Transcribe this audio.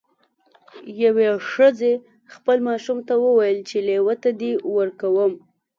یوې ښځې خپل ماشوم ته وویل چې لیوه ته دې ورکوم.